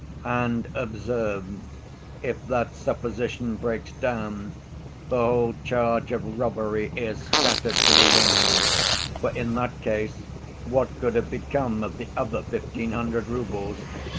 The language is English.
And observe, if that supposition breaks down, the whole charge of robbery is scattered to the winds, for in that case what could have become of the other fifteen hundred roubles?